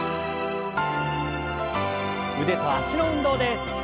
腕と脚の運動です。